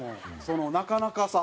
そのなかなかさ。